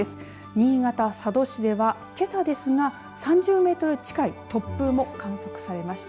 新潟、佐渡市ではけさですが３０メートル近い突風も観測されました。